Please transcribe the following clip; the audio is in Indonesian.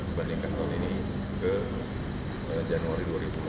dibandingkan tahun ini ke januari dua ribu delapan belas